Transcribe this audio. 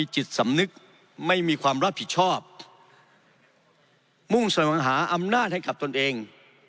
จิตสำนึกไม่มีความรับผิดชอบมุ่งแสวงหาอำนาจให้กับตนเอง